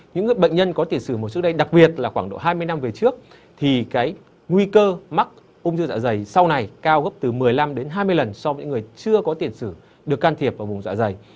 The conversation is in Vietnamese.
những bệnh nhân có tiền sử trước đây đặc biệt là khoảng độ hai mươi năm về trước thì cái nguy cơ mắc ung thư dạ dày sau này cao gấp từ một mươi năm đến hai mươi lần so với người chưa có tiền sử được can thiệp vào vùng dạ dày